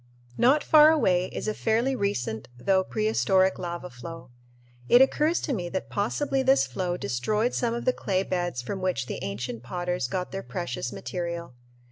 Not far away is a fairly recent though prehistoric lava flow. It occurs to me that possibly this flow destroyed some of the clay beds from which the ancient potters got their precious material.